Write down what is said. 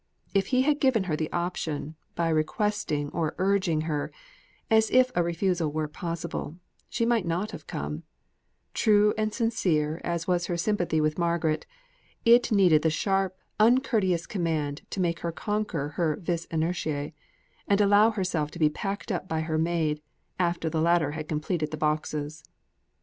If he had given her the option, by requesting or urging her, as if a refusal were possible, she might not have come true and sincere as was her sympathy with Margaret. It needed the sharp uncourteous command to make her conquer her vis inertiæ and allow herself to be packed by her maid, after the latter had completed the boxes.